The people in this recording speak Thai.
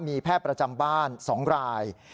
มีแพทย์ประจำบ้าน๒ราย